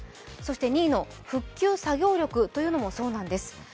そして２位の復旧作業力というのもそうなんです。